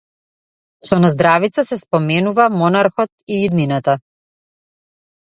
Со наздравица се споменува монархот и иднината.